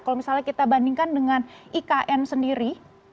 kalau misalnya kita bandingkan dengan ikn sendiri